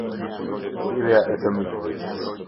Thirrja e të miturit.